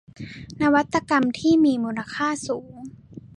นวัตกรรมที่มีมูลค่าสูง